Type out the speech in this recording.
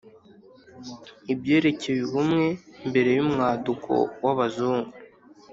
ibyerekeye ubumwe mbere y'umwaduko w'abazungu